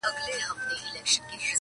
• او د لنډو کیسو لیکوال وو -